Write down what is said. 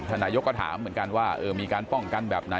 นายกก็ถามเหมือนกันว่ามีการป้องกันแบบไหน